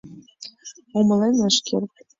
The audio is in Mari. Умылен ыш керт.